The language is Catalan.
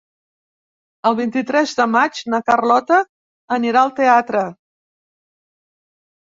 El vint-i-tres de maig na Carlota anirà al teatre.